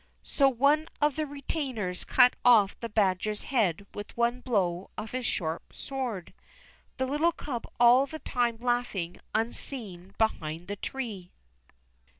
So one of the retainers cut off the badger's head with one blow of his sharp sword, the little Cub all the time laughing unseen behind the tree.